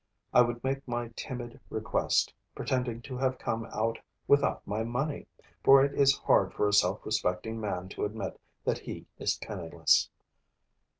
I would make my timid request, pretending to have come out without my money, for it is hard for a self respecting man to admit that he is penniless.